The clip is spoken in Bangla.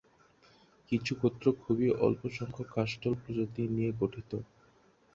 কিছু গোত্র খুবই অল্প সংখ্যক কাষ্ঠল প্রজাতি নিয়ে গঠিত।